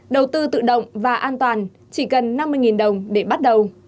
đầu tư tự động và an toàn chỉ cần năm mươi đồng để bắt đầu